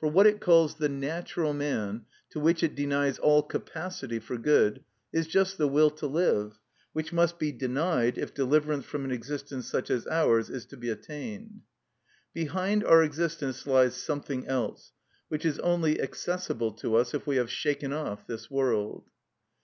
For what it calls the natural man, to which it denies all capacity for good, is just the will to live, which must be denied if deliverance from an existence such as ours is to be attained. Behind our existence lies something else, which is only accessible to us if we have shaken off this world.